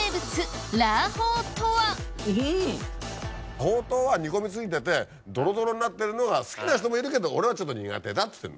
ほうとうは煮込み過ぎててドロドロになってるのが好きな人もいるけど俺はちょっと苦手だっつってんの。